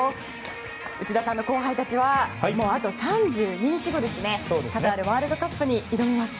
内田さんの後輩たちはあと３２日後カタールワールドカップに挑みます。